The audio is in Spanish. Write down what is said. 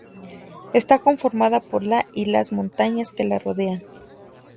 Está conformada por la y las montañas que la rodean.